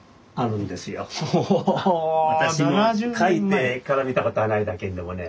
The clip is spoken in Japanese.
私も書いてから見たことはないんだけんどもね